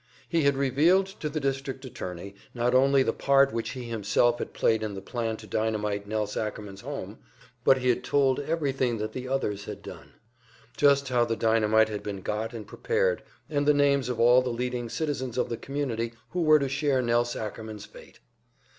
He had revealed to the District Attorney, not only the part which he himself had played in the plan to dynamite Nelse Ackerman's home, but he had told everything that the others had done just how the dynamite had been got and prepared, and the names of all the leading citizens of the community who were to share Nelse Ackerman's fate!